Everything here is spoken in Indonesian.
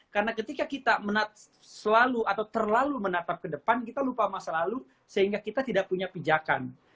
karena ketika kita selalu atau terlalu menatap ke depan kita lupa masa lalu sehingga kita tidak punya pijakan